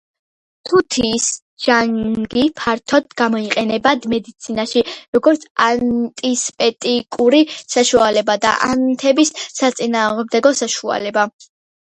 თუთიის ჟანგი ფართოდ გამოიყენება მედიცინაში როგორც ანტისეპტიკური საშუალება და ანთების საწინააღმდეგო საშუალება.